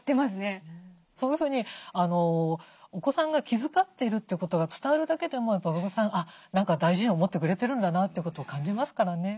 そういうふうにお子さんが気遣ってるということが伝わるだけでも親御さん何か大事に思ってくれてるんだなということを感じますからね。